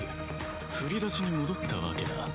振り出しに戻ったわけだ。